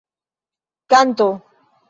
kanto